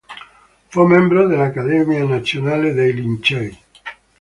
Fu membro dell'Accademia nazionale dei Lincei.